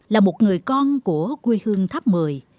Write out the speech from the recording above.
là một người con của quê hương tháp mười